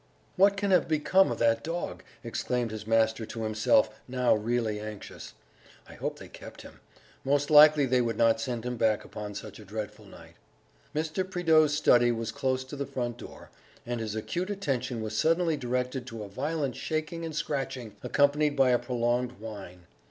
"What can have become of that dog?" exclaimed his master to himself, now really anxious; "I hope they kept him; ... most likely they would not send him back upon such a dreadful night." Mr. Prideaux's study was close to the front door, and his acute attention was suddenly directed to a violent shaking and scratching, accompanied by a prolonged whine.